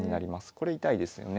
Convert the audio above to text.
これ痛いですよね。